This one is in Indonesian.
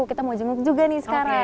kita mau jenguk juga nih sekarang